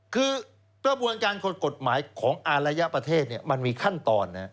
คือกระบวนการกฎหมายของอารยประเทศมันมีขั้นตอนนะ